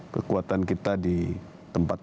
kekuatan kita di tempat